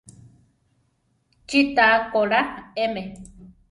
Chí takóla eme.